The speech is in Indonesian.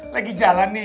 lagi jalan nih